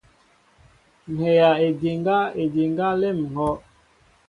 Ŋhɛjaʼédiŋga, édiŋga nlém ŋhɔʼ.